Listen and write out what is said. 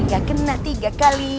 gak kena tiga kali